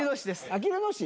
あきる野市？